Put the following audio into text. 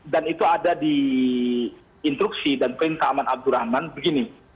dan itu ada di instruksi dan perintah aman abdurrahman begini